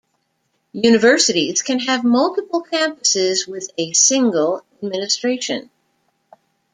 Universities can have multiple campuses with a single administration.